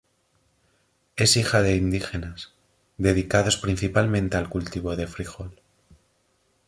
Es hija de indígenas, dedicados principalmente al cultivo de fríjol.